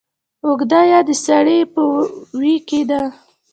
اوږده يا د سړې په ویي کې ده